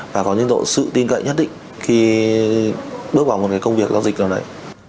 và có những độ sự tin cậy nhất định khi bước vào một công việc giao dịch nào đấy